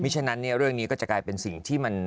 ฉะนั้นเนี่ยเรื่องนี้ก็จะกลายเป็นสิ่งที่มัน